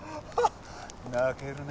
泣けるね。